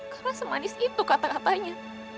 karena semanis itu kata katanya